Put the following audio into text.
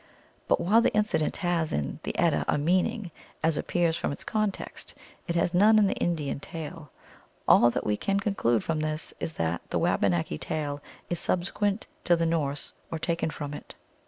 But while the incident has in the Edda a meaning, as appears from its context, it has none in the Indian tale. All that we can con clude from this is that the Wabanaki tale is subse quent to the Norse, or taken from it.